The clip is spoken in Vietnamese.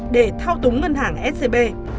để thao túng ngân hàng scb